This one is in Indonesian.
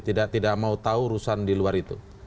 tidak mau tahu urusan di luar itu